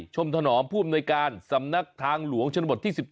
ถนอมผู้อำนวยการสำนักทางหลวงชนบทที่๑๒